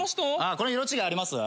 これ色違いあります？